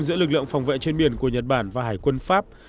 giữa lực lượng phòng vệ trên biển của nhật bản và hải quân pháp